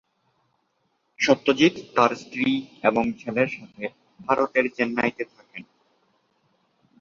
সত্যজিৎ তাঁর স্ত্রী এবং ছেলের সাথে ভারতের চেন্নাই-তে থাকেন।